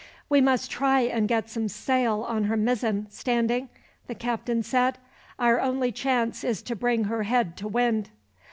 "We must try and get some sail on her mizzen, Standing," the captain said. "Our only chance is to bring her head to wind."